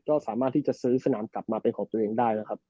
ก็สามารถที่จะซื้อสนามกลับมาเป็นของตัวเองได้นะครับ